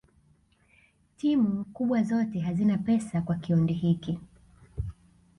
timu kubwa zote hazina pesa kwa kioindi hiki